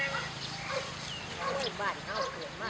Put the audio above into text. แล้วเลยเป็นทุกวัก